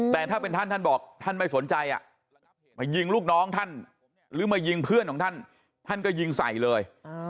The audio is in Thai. แต่ถ้าเป็นท่านท่านบอกท่านไม่สนใจมายิงลูกน้องท่านหรือมายิงเพื่อนของท่านท่านก็ยิงใส่เลย